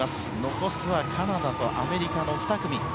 残すはカナダとアメリカの２組。